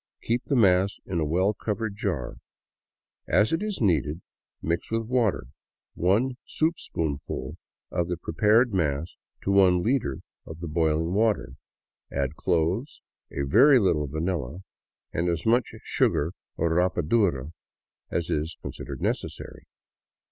Keep this mass in a well covered jar. As it is needed, mix with water; one soupspoonful of the prepared mass to one liter of boiling water; add cloves, a very little vanilla, and as much sugar or rapadura as is considered necessary.